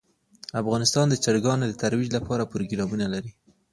افغانستان د چرګان د ترویج لپاره پروګرامونه لري.